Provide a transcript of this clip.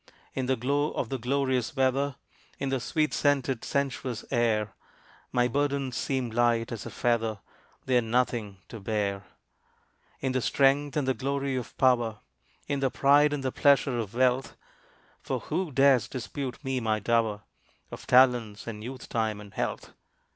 In the glow of the glorious weather, In the sweet scented sensuous air, My burdens seem light as a feather They are nothing to bear. In the strength and the glory of power, In the pride and the pleasure of wealth, (For who dares dispute me my dower Of talents and youth time and health?)